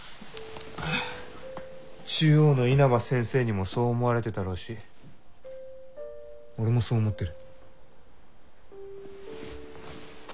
中央の稲葉先生にもそう思われてたろうし俺もそう思ってる。